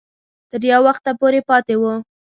تر یو وخته پورې پاته وو.